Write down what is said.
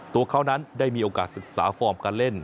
ตัวเขานั้นได้มีโอกาสศึกษาฟอร์มการเล่น